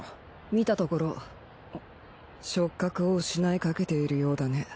見たところ触覚を失いかけているようだね。